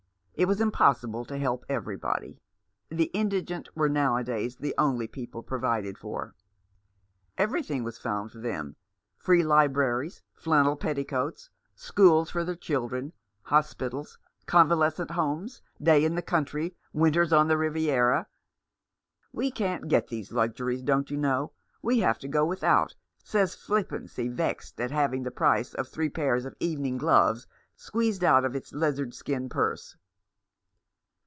It was impossible to help everybody. The indigent were nowadays the only people provided for. Everything was found for them : Free Libraries, flannel petticoats, schools^ for their children, hospitals, convalescent homes, days in the country, winters on the Riviera. " We can't get these luxuries, don't you know ? We have to go without," says Flippancy, vexed at having the price of three pairs of evening gloves squeezed out of its lizard skin purse.